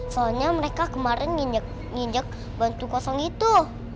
soalnya mereka kemarin nginjek nginjek bantu kosong itu